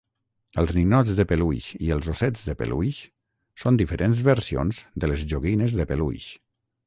Els ninots de peluix i els ossets de peluix són diferents versions de les joguines de peluix.